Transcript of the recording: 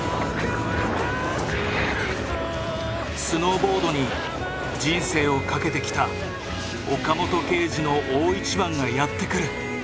スノーボードに人生をかけてきた岡本圭司の大一番がやって来る。